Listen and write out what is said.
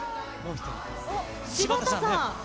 柴田さん。